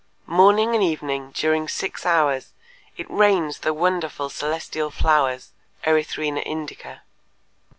Morning and evening during six hours it rains the wonderful celestial flowers (Erythrina Indica).